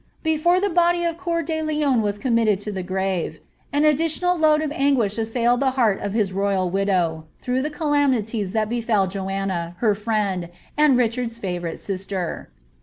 Before the body of CoBur de Lion was committed to the grave, an additional load of anguish assailed the heart of his royal widow, through the calamities that befel Joanna, her friend, and Richard's favourite sis ter.